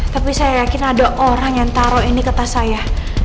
tapi saya yakin ada orang yang taruh ini kertas saya